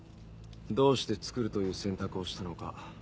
どうして作るという選択をしたのか。